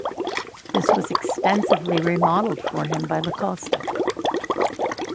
This was extensively re-modelled for him by Lacoste.